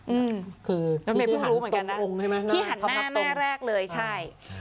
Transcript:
อืมคือที่หันหน้าหน้าแรกเลยใช่